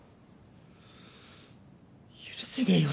許せねえよ